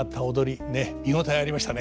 ねえ見応えありましたね。